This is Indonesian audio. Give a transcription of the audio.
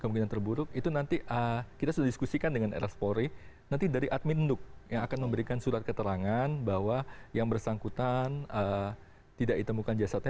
kemungkinan terburuk itu nanti kita sudah diskusikan dengan rs polri nanti dari admin duk yang akan memberikan surat keterangan bahwa yang bersangkutan tidak ditemukan jasadnya